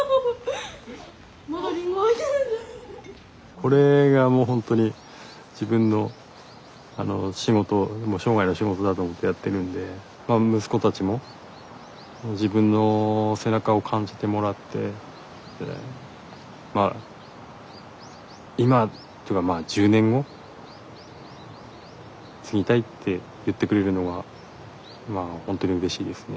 これがもうほんとに自分の仕事もう生涯の仕事だと思ってやってるんでまあ息子たちも自分の背中を感じてもらってまあ今とかまあ１０年後継ぎたいって言ってくれるのはまあほんとにうれしいですね。